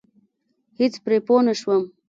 هېڅ پرې پوه نشوم.